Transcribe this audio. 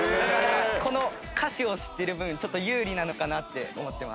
この歌詞を知ってる分ちょっと有利なのかなって思ってます。